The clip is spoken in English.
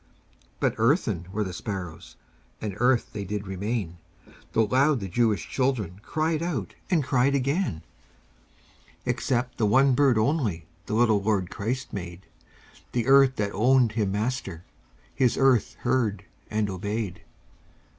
But earthen were the sparrows, And earth they did remain, Though loud the Jewish children Cried out, and cried again. Except the one bird only The little Lord Christ made; The earth that owned Him Master, His earth heard and obeyed.